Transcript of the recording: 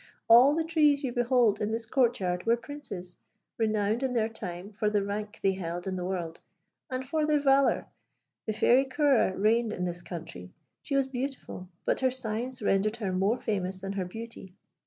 All the trees you behold in this court yard were princes, renowned in their time for the rank they held in the world, and for their valour. The Fairy Ceora reigned in this country. She was beautiful, but her science rendered her more famous than her beauty.